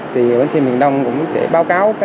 thì bến xe miền đông cũng sẽ báo cáo